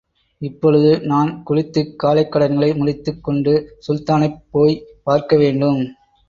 இப்பொழுது, நான் குளித்துக் காலைக்கடன்களை முடித்துக் கொண்டு சுல்தானைப் போய் பார்க்க வேண்டும்.